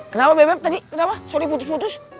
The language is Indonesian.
kenapa bbm tadi kenapa sorry putus putus